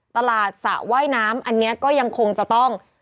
สระว่ายน้ำอันนี้ก็ยังคงจะต้อง